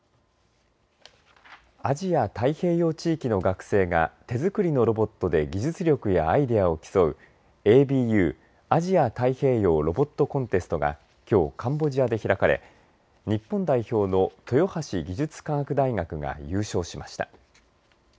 アジア太平洋地域の学生が手作りのロボットで技術力やアイデアを競うＡＢＵアジア・太平洋ロボットコンテストがきょう、カンボジアで開かれ日本代表の豊橋技術科学大学が優勝しました。